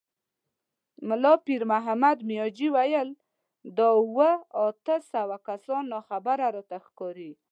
ملا پيرمحمد مياجي وويل: دا اووه، اته سوه کسان ناخبره راته ښکاري.